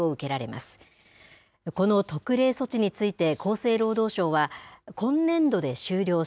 この特例措置について厚生労働省は、今年度で終了し、